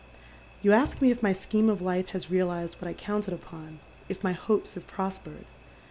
" You ask me if my scheme of life has realized what I counted upon, if my hopes have prospered.